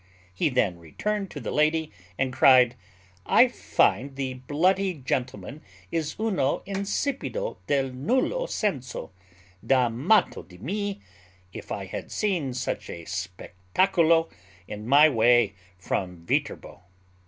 He then returned to the lady, and cried, "I find the bloody gentleman is uno insipido del nullo senso. Dammato di me, if I have seen such a spectaculo in my way from Viterbo."